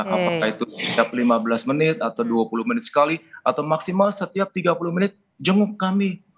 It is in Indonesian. apakah itu setiap lima belas menit atau dua puluh menit sekali atau maksimal setiap tiga puluh menit jenguk kami